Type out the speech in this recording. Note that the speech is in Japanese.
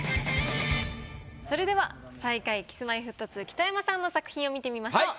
それでは最下位Ｋｉｓ−Ｍｙ−Ｆｔ２北山さんの作品を見てみましょう。